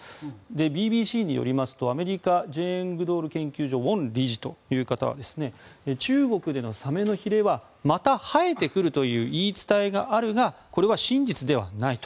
ＢＢＣによりますとイギリスのジェーン・グドール研究所のウォン理事によりますと中国でのサメのひれはまた生えてくるという言い伝えがあるがこれは真実ではないと。